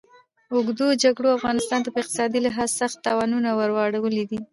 اوږدو جګړو افغانستان ته په اقتصادي لحاظ سخت تاوانونه ور اړولي دي.